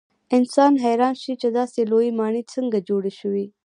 انسان حیران شي چې داسې لویې ماڼۍ څنګه جوړې شوې.